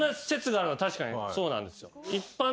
確かにそうなんですよ。